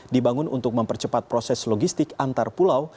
dibangun untuk mempercepat proses logistik antar pulau